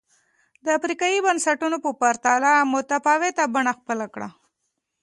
د افریقايي بنسټونو په پرتله متفاوته بڼه خپله کړه.